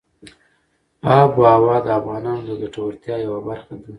آب وهوا د افغانانو د ګټورتیا یوه برخه ده.